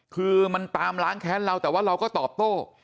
คือมันตามล้างแค้นเราแต่ว่าเราก็ตอบโต้